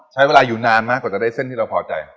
ใช้เวลาอยู่นานมากกว่าจะได้เส้นที่เราพอใจ